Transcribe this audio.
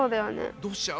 どうしちゃう？